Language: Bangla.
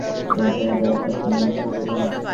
এখানেই থেমে থাকার পাত্রী নন সুষমা।